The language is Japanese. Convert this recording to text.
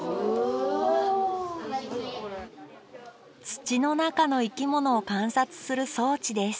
土の中の生き物を観察する装置です